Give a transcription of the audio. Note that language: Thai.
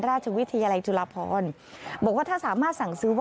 ราชวิทยาลัยจุฬาพร